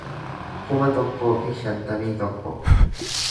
kuma tokkoo fi shantamii tokko